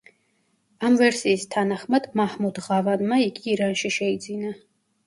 ამ ვერსიის თანახმად, მაჰმუდ ღავანმა იგი ირანში შეიძინა.